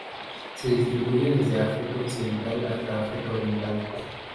Se distribuyen desde África Occidental hasta África Oriental.